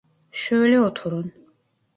Şöyle oturun.